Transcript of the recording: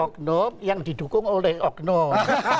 oknum yang didukung oleh oknum